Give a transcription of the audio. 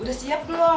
udah siap belum